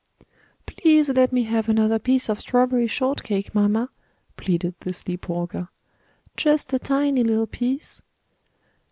"Please let me have another piece of strawberry shortcake, mamma," pleaded the sleep walker. "Just a tiny little piece."